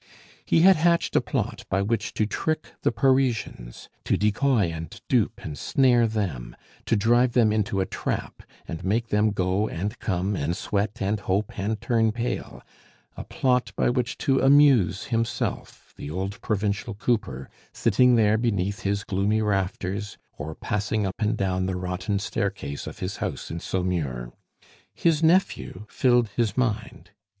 He had hatched a plot by which to trick the Parisians, to decoy and dupe and snare them, to drive them into a trap, and make them go and come and sweat and hope and turn pale, a plot by which to amuse himself, the old provincial cooper, sitting there beneath his gloomy rafters, or passing up and down the rotten staircase of his house in Saumur. His nephew filled his mind.